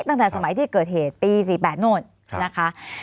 ตั้งแต่สมัยที่เกิดเหตุปี๔๘โน่นนะคะ